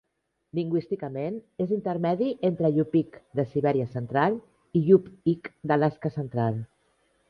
Lingüísticament, és intermedi entre Yupik de Sibèria Central i Yup'ik d'Alaska Central.